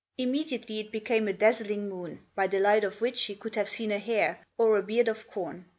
Immediately it became a dazzling moon, by the light of which you could have seen a hair or a beard of corn.